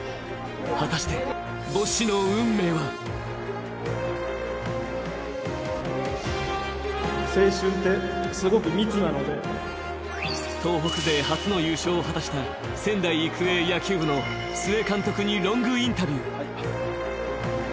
果たして母子の運命は東北勢初の優勝を果たした仙台育英・野球部の須江監督にロングインタビュー。